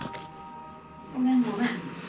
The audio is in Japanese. ごめんごめん。